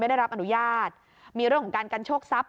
ได้รับอนุญาตมีเรื่องของการกันโชคทรัพย